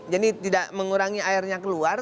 jadi tidak mengurangi airnya keluar